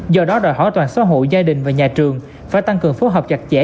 do đó đòi hỏi toàn xã hội gia đình và nhà trường phải tăng cường phối hợp chặt chẽ